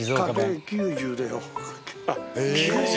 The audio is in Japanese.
９０！